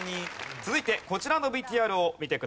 続いてこちらのＶＴＲを見てください。